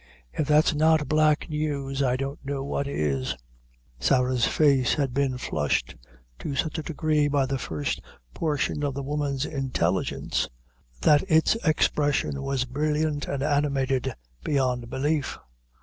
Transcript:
If that's not black news, I don't know what is." Sarah's face had been flushed to such a degree by the first portion of the woman's intelligence, that its expression was brilliant and animated beyond belief.